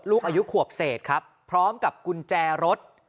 ลูกอายุขวบเศษครับพร้อมกับกุญแจรถ